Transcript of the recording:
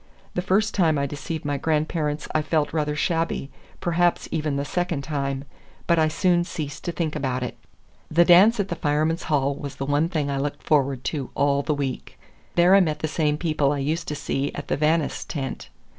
The first time I deceived my grandparents I felt rather shabby, perhaps even the second time, but I soon ceased to think about it. The dance at the Firemen's Hall was the one thing I looked forward to all the week. There I met the same people I used to see at the Vannis' tent.